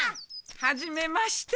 はじめまして。